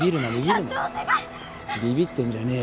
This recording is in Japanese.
ビビってんじゃねえよ。